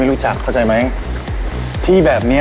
ไม่ต้องกลับมาที่นี่